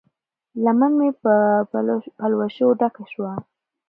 لمن مې د پلوشو ډکه شوه